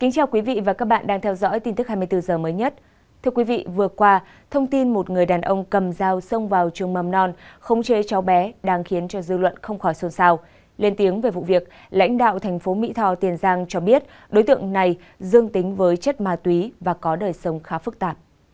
chào mừng quý vị đến với bộ phim hãy nhớ like share và đăng ký kênh của chúng mình nhé